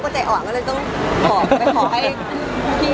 แบ่งแบบทีอ๋อ